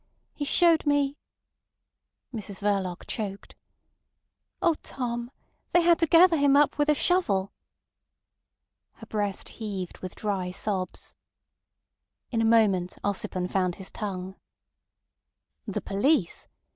He showed me—" Mrs Verloc choked. "Oh, Tom, they had to gather him up with a shovel." Her breast heaved with dry sobs. In a moment Ossipon found his tongue. "The police!